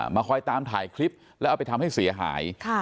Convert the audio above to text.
คอยตามถ่ายคลิปแล้วเอาไปทำให้เสียหาย